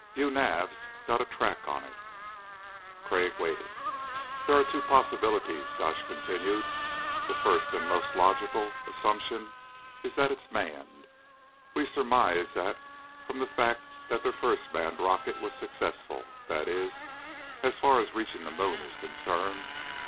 BuNav's got a track on it." Crag waited. "There are two possibilities," Gotch continued. "The first and most logical assumption is that it's manned. We surmise that from the fact that their first manned rocket was successful that is, as far as reaching the moon is concerned.